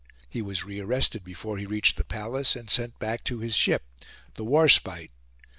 He was re arrested before he reached the Palace, and sent back to his ship, the Warspite.